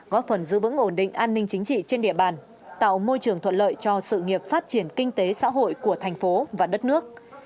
góp phần giữ vững ổn định an ninh chính trị trên địa bàn tạo môi trường thuận lợi cho sự nghiệp phát triển kinh tế xã hội của thành phố và đất nước